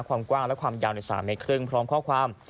ความกว้างและความยาวใน๓เมตรครึ่งพร้อมข้อความ